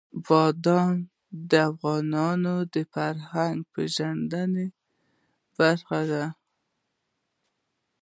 بادام د افغانانو د فرهنګي پیژندنې برخه ده.